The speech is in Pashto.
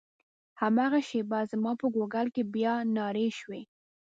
هماغه شېبه زما په ګوګل کې بیا نارې شوې.